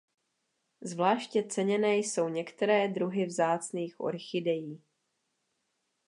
Zvláště ceněné jsou některé druhy vzácných orchidejí.